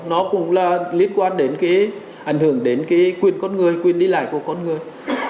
nó cũng liên quan đến ảnh hưởng đến quyền con người quyền đi lại của con người